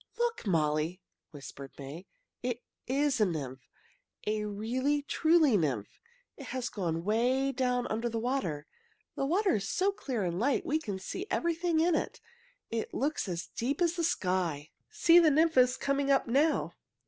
"Look, Molly!" whispered May. "It is a nymph a really, truly nymph! It has gone way down under the water. The water is so clear and light we can see everything in it. It looks as deep as the sky." "See, the nymph is coming up now!"